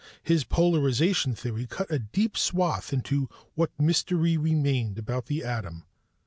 His polarization theory cut a deep swath into what mystery remained about the atom.